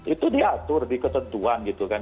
itu diatur di ketentuan gitu kan